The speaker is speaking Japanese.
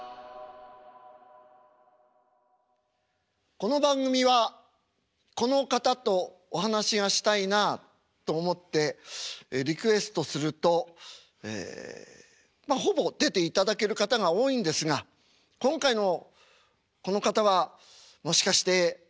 この番組はこの方とお話がしたいなあと思ってリクエストするとええほぼ出ていただける方が多いんですが今回のこの方はもしかして引き受けてくれないんではないかな。